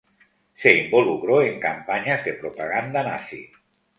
Se involucró en campañas de propaganda nazi.